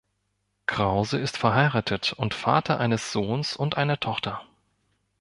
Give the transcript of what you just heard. Krause ist verheiratet und Vater eines Sohns und einer Tochter.